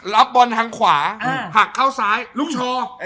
รับบอลทางขวาหักเข้าซ้ายลูกโชว์